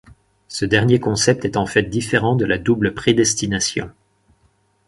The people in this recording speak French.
Ce dernier concept est en fait différent de la double prédestination.